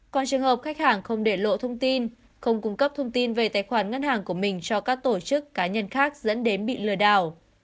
còn trường hợp khách hàng không để lộ thông tin không cung cấp thông tin về tài khoản ngân hàng của mình cho các tổ chức cá nhân khác dẫn đến bị lừa đảo